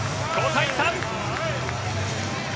５対３！